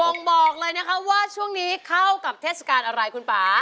่งบอกเลยนะคะว่าช่วงนี้เข้ากับเทศกาลอะไรคุณป่า